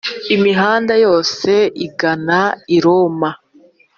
imihanda yose igana i roma